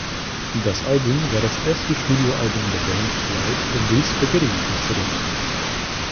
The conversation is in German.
Das Album war das erste Studioalbum der Band seit The Spaghetti Incident?